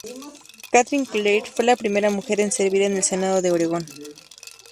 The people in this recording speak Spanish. Kathryn Clarke fue la primera mujer en servir en el senado de Oregón.